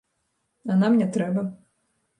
А нам не трэба.